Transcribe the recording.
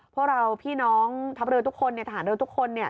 พวกเราพี่น้องทัพเรือทุกคนเนี่ยทหารเรือทุกคนเนี่ย